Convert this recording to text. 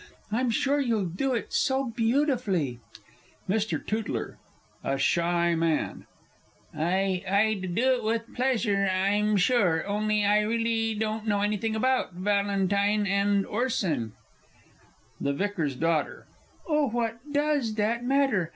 I'm sure you'll do it so beautifully! MR. TOOTLER (a shy man). I I'd do it with pleasure, I'm sure only I really don't know anything about Valentine and Orson! THE V.'S D. Oh, what does that matter?